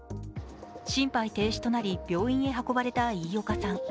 心肺停止となり、病院へ運ばれた飯岡さん。